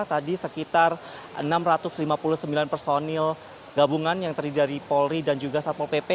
tadi sekitar enam ratus lima puluh sembilan personil gabungan yang terdiri dari polri dan juga satpol pp